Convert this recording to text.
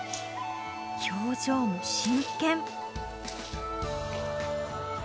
表情も真剣。